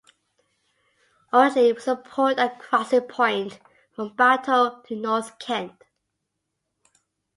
Originally it was a port and crossing point from Battle to North Kent.